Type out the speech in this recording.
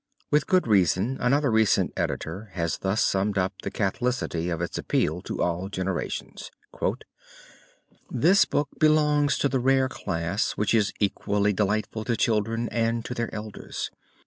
With good reason another recent editor has thus summed up the catholicity of its appeal to all generations: "This book belongs to the rare class which is equally delightful to children and to their elders.